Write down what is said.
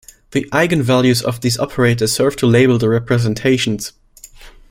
The eigenvalues of these operators serve to label the representations.